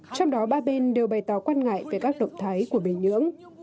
trong đó ba bên đều bày tỏ quan ngại về các động thái của bình nhưỡng